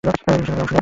বিশ্বকাপে অংশ নেন।